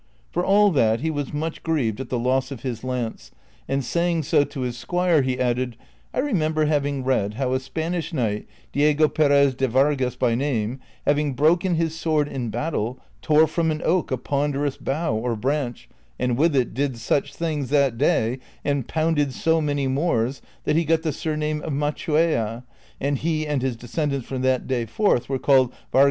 ^ For all that, he was much grieved at the loss of his lance, and saying so to his squire, he added, " I remember having read how a Spanish knight, Diego Perez de Vargas by name, having broken his sword in battle, tore from an oak a ponderous bough or branch, and with it did such things that day, and ])ounde(l so many Moors, that he got the surname of Machuca,"^ and he and his descendants from that day forth were called Vargas y Machuca.